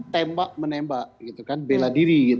tembak menembak gitu kan bela diri